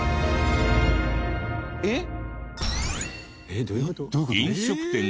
えっ？